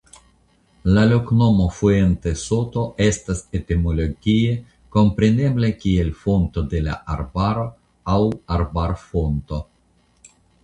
La loknomo "Fuentesoto" estas etimologie komprenebla kiel Fonto de la Arbaro aŭ Arbarfonto.